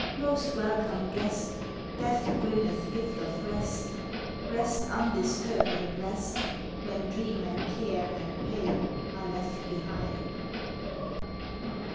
Most welcome guest, Death bringeth gift of rest Rest undisturbed and blest, When dream and care and pain are left behind.